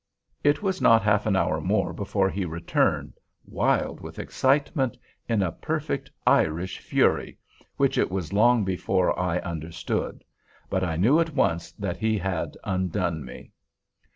It was not half an hour more before he returned, wild with excitement—in a perfect Irish fury—which it was long before I understood. But I knew at once that he had undone me!